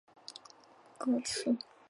但歌词全部也相同。